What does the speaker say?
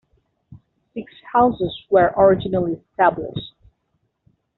Six houses were originally established.